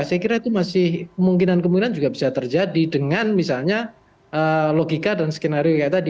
saya kira itu masih kemungkinan kemungkinan juga bisa terjadi dengan misalnya logika dan skenario kayak tadi